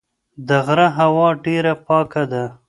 د غره هوا ډېره پاکه ده.